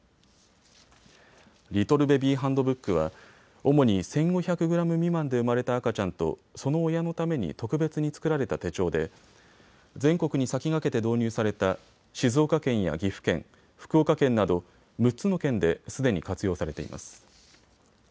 リトルベビーハンドブックは主に１５００グラム未満で生まれた赤ちゃんとその親のために特別に作られた手帳で全国に先駆けて導入された静岡県や岐阜県、福岡県など６つの県ですでに活用されています。